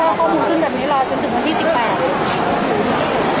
ว่าข้อความผิดขึ้นแบบนี้ล่ะหลายจนถึงวันที่สี่แปด